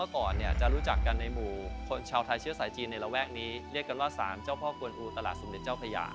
ควรภูตลาดสุมเด็จเจ้าพยา